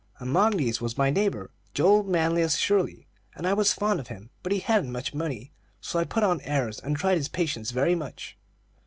"Among these, was my neighbor Joel Manlius Shirley, and I was fond of him; but he hadn't much money, so I put on airs, and tried his patience very much.